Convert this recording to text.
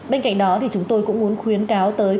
bên cạnh đó thì chúng tôi cũng muốn khuyến cáo tới